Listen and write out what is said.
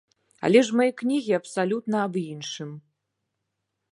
Але ж мае кнігі абсалютна аб іншым.